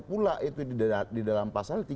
pula itu di dalam pasal tiga puluh dua